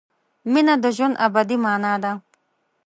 مینه د ژوند ابدي مانا ده.